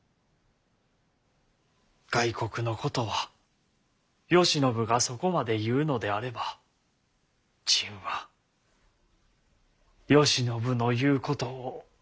外国のことは慶喜がそこまで言うのであれば朕は慶喜の言うことを信じよう。